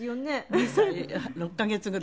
２歳６カ月ぐらいね。